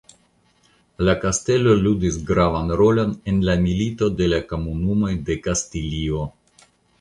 La kastelo ludis gravan rolon en la Milito de la Komunumoj de Kastilio.